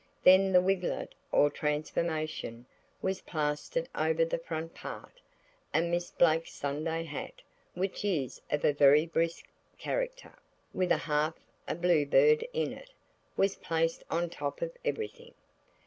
Then the wiglet, or transformation, was plastered over the front part, and Miss Blake's Sunday hat, which is of a very brisk character, with half a blue bird in it, was placed on top of everything.